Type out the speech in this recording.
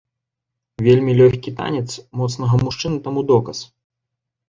Вельмі лёгкі танец моцнага мужчыны таму доказ.